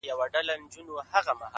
حقیقت ورو خو تل ځان ښکاره کوي,